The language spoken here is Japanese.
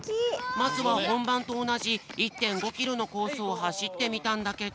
まずはほんばんとおなじ１．５キロのコースをはしってみたんだけど。